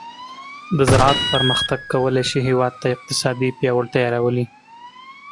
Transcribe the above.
د زراعت پرمختګ کولی شي هیواد ته اقتصادي پیاوړتیا راولي.